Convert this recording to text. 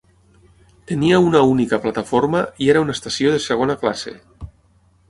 Tenia una única plataforma i era una estació de segona classe.